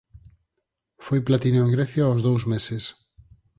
Foi platino en Grecia aos dous meses.